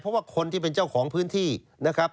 เพราะว่าคนที่เป็นเจ้าของพื้นที่นะครับ